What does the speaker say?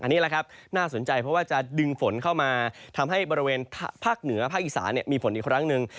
นี่แหละครับน่าสนใจเพราะว่าจะดึงฝนเข้ามาทำให้บริเวณภาคเหนือภาคอีสานมีฝนอีกครั้งหนึ่ง